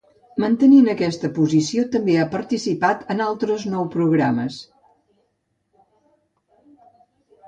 Mantenint aquesta posició, també ha participat en altres nou programes.